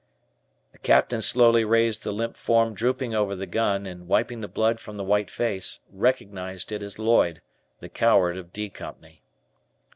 The Captain slowly raised the limp form drooping over the gun, and, wiping the blood from the white face, recognized it as Lloyd, the coward of "B" Company.